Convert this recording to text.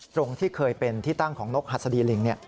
ตรงที่เคยเป็นที่ตั้งของนกหัสดีลิง